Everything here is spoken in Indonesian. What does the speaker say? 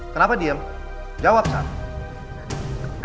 kenapa diem jawab sama